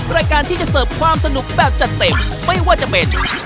รายการที่จะเสิร์ฟความสนุกแบบจัดเต็มไม่ว่าจะเป็น